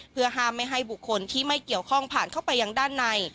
เพื่อห้ามไม่ให้บุคคลที่ไม่เกี่ยวข้องผ่านเข้าไปยังด้านใน